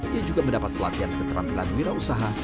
dia juga mendapat pelatihan keterampilan wirausaha